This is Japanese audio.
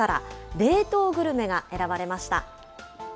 冷凍グルメが選ばれました。